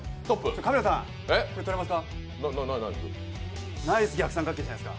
カメラさん、撮れますか。